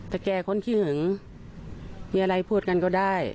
แต่แก่คนขี้หึงมีอะไรพูดกันก็ได้